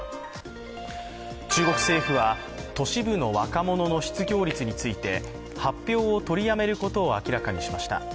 中国政府は都市部の若者の失業率について発表を取りやめることを明らかにしました。